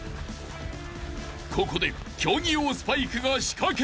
［ここで競技用スパイクが仕掛ける］